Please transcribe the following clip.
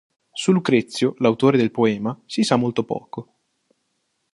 Su Lucrezio, l'autore del poema, si sa molto poco.